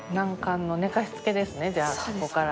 じゃあここから。